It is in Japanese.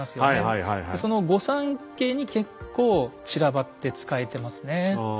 その御三家に結構散らばって仕えてますね。